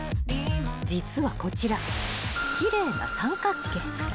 ［実はこちら奇麗な三角形］